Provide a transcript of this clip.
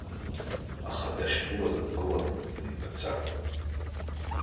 Аха дахьгылаз дгылан дымқәацакәа.